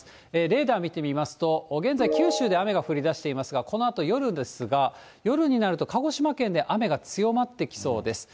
レーダー見てみますと、現在、九州で雨が降りだしていますが、このあと夜ですが、夜になると鹿児島県で雨が強まってきそうです。